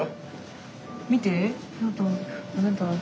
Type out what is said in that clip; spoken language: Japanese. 見て。